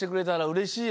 うれしい。